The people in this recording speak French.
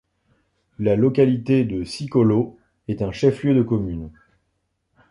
La localité de Sikolo est un chef-lieu de commune.